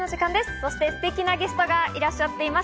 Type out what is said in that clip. そしてステキなゲストがいらっしゃっています。